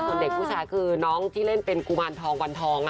ส่วนเด็กผู้ชายคือน้องที่เล่นเป็นกุมารทองวันทอง